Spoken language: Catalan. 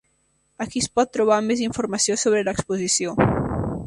Aquí es pot trobar més informació sobre l'exposició.